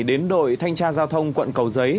đến đội thanh tra giao thông quận cầu giấy